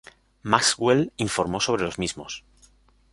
Maxwell informó sobre los mismos.